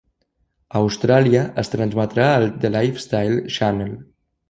A Austràlia, es transmetrà al The Lifestyle Channel.